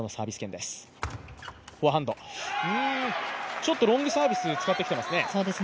ちょっとロングサービス使ってきてますね。